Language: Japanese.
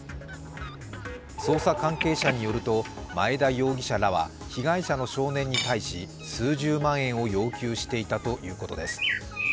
捜査関係者によると前田容疑者らは被害者の少年に対し数十万円を要求していたということです。